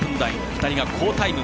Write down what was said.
２人が好タイム。